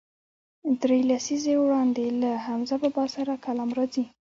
درې لسیزې وړاندې یې له حمزه بابا سره کلام راځي.